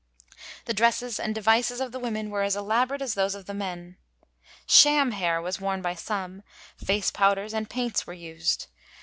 The dresses and devices of the women were as elaborate as those of the men. Sham hair was worn by some, face powders and paints were used.